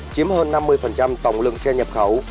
chiếm hơn năm mươi tổng lượng xe nhập khẩu